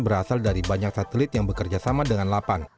berasal dari banyak satelit yang bekerja sama dengan lapan